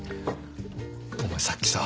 お前さっきさ。